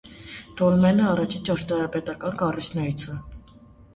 Դոլմենը առաջին ճարտարապետական կառույցներից է։